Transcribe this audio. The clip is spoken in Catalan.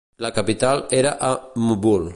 La capital era a Mbul.